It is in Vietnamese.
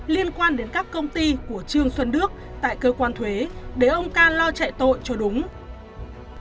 liên quan đến các công ty của trương xuân đức tại cơ quan thuế để ông ca lo chạy tội cho đối với ông ca